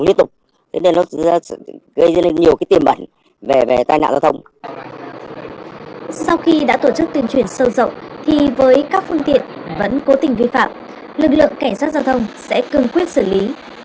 lực lượng cảnh sát giao thông sẽ cương quyết xử lý